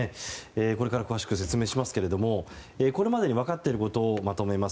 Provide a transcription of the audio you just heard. これから詳しく説明しますがこれまでに分かっていることをまとめます。